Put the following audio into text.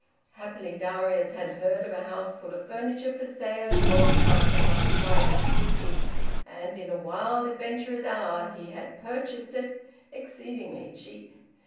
Happily Darius had heard of a houseful of furniture for sale at Oldcastle by private treaty, and in a wild, adventurous hour he had purchased it, exceedingly cheap.